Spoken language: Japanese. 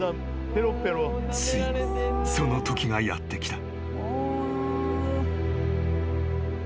［ついにそのときがやってきた］